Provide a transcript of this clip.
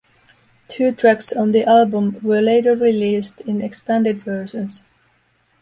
Two tracks on the album were later released in expanded versions.